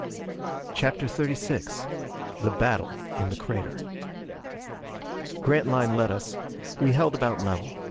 CHAPTER XXXVI The Battle in the Crater Grantline led us. We held about level.